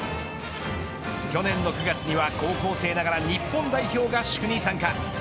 去年の９月には高校生ながら日本代表合宿に参加。